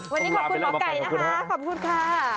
วันนี้ขอลาไปแล้วอไก่ขอบคุณค่ะ